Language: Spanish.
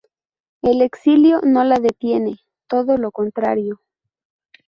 El exilio no la detiene, todo lo contrario.